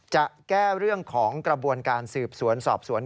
จะแก้เรื่องของกระบวนการสืบสวนสอบสวน